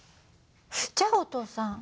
じゃあお父さん。